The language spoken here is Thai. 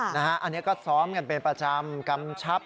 อันนี้ก็ซ้อมกันเป็นประจำกำชับ